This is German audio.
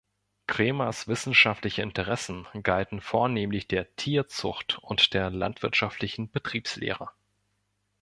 Kraemers wissenschaftliche Interessen galten vornehmlich der Tierzucht und der landwirtschaftlichen Betriebslehre.